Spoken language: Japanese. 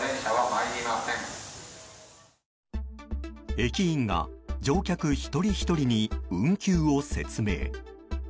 駅員が乗客一人ひとりに運休を説明。